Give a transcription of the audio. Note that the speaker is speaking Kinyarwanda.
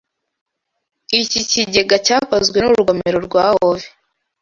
Iki kigega cyakozwe n’urugomero rwa Hove